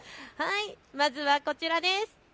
まずはこちらです。